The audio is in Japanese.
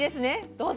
どうぞ。